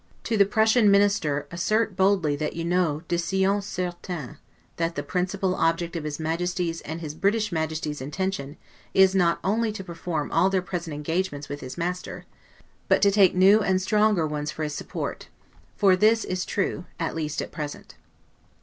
To the Prussian Minister assert boldly that you know 'de science certaine', that the principal object of his Majesty's and his British Ministry's intention is not only to perform all their present engagements with his Master, but to take new and stronger ones for his support; for this is true AT LEAST AT PRESENT.